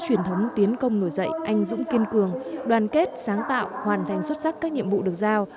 truyền thống tiến công nổi dậy anh dũng kiên cường đoàn kết sáng tạo hoàn thành xuất sắc các nhiệm vụ được giao